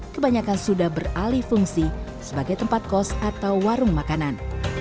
kebanyakan sudah beralih fungsi sebagai tempat kos atau warung makanan